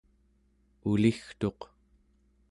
uligtuq